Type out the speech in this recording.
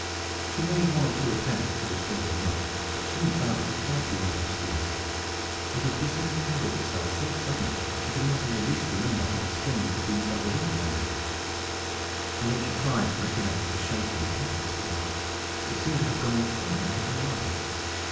She made one or two attempts to restore the knot, but soon found it quite beyond her skill. It had disentangled itself so suddenly that she could not in the least remember how the strings had been doubled into one another; and when she tried to recollect the shape and appearance of the knot, it seemed to have gone entirely out of her mind.